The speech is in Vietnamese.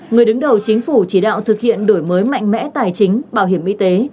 người đứng đầu chính phủ chỉ đạo thực hiện đổi mới mạnh mẽ tài chính bảo hiểm y tế